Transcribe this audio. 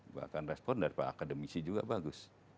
bahkan respon dari pak akademisi juga bagus